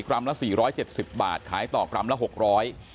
กลำละสี่ร้อยเจ็ดสิบบาทขายต่อกลำละหกร้อย